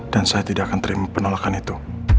saya tidak akan terima penolakan itu